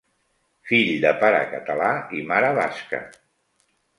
Fill de pare català i mare basca.